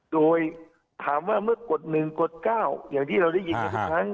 โดยถามว่าเมื่อกฎ๑กฎ๙อย่างที่เราได้ยินกันทุกครั้ง